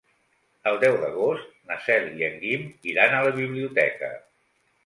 El deu d'agost na Cel i en Guim iran a la biblioteca.